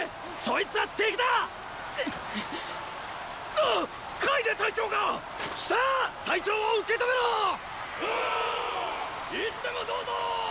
いつでもどうぞォー！